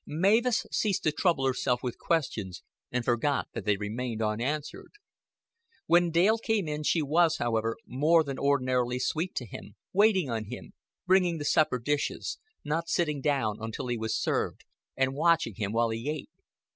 Mavis ceased to trouble herself with questions, and forgot that they remained unanswered. When Dale came in she was, however, more than ordinarily sweet to him, waiting on him, bringing the supper dishes, not sitting down until he was served, and watching him while he ate.